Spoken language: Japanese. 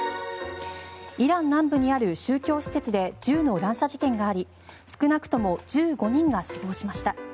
イラン南部にある宗教施設で銃の乱射事件があり少なくとも１５人が死亡しました。